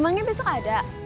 emangnya besok ada